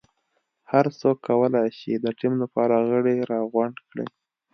هر څوک کولای شي د ټیم لپاره غړي راغونډ کړي.